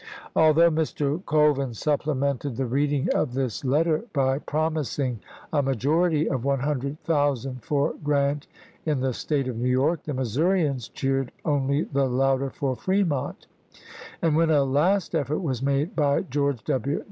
Although Mr. Colvin supplemented THE CLEVELAND CONVENTION 39 the reading of this letter by promising a majority chap.il of one hundred thousand for Grant in the State of im. New York, the Missourians cheered only the louder for Fremont ; and when a last effort was made by George W.